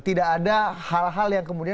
tidak ada hal hal yang kemudian